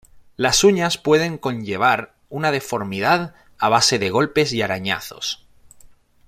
Las uñas pueden conllevar una deformidad a base de golpes y arañazos.